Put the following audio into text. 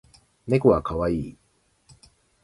猫は可愛い